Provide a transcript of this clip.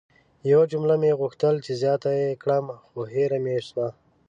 یوه جمله مې غوښتل چې زیاته ېې کړم خو هیره مې سوه!